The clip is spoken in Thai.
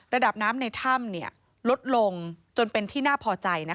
ระดับน้ำในถ้ำลดลงจนเป็นที่น่าพอใจ